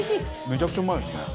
めちゃくちゃうまいですね。